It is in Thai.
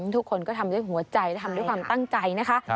ทุกคนก็ทำด้วยหัวใจและทำด้วยความตั้งใจนะคะ